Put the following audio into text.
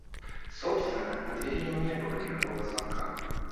Собственно, на двери и не было никакого звонка.